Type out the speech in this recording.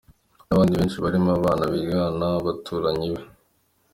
nabandi benshi barimo abana bigana nabaturanyi be.